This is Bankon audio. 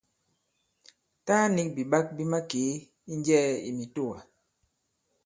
Taa nik bìɓak bi makee i njɛɛ mitowa.